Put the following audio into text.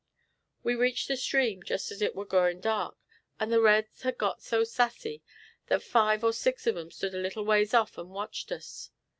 "We reached the stream just as it war growing dark, and the reds had got so sassy, that five or six of 'em stood a little ways off and watched us.